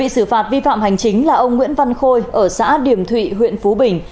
xử phạt vi phạm hành chính là ông nguyễn văn khôi ở xã điểm thụy huyện phú bình